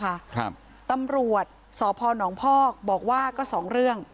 ครับตำรวจสพนพอกบอกว่าก็สองเรื่อง